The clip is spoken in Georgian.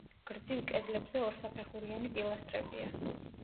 გრძივ კედლებზე ორსაფეხურიანი პილასტრებია.